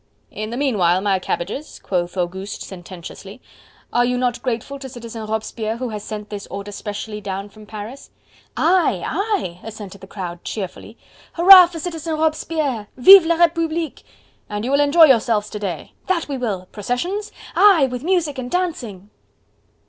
"In the meanwhile, my cabbages," quoth Auguste sententiously, "are you not grateful to Citizen Robespierre, who has sent this order specially down from Paris?" "Aye! aye!" assented the crowd cheerfully. "Hurrah for Citizen Robespierre!" "Viva la Republique!" "And you will enjoy yourselves to day?" "That we will!" "Processions?" "Aye! with music and dancing."